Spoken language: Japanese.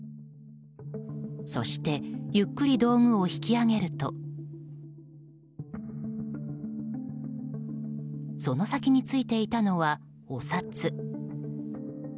そしてゆっくり道具を引き上げるとその先についていたのは、お札。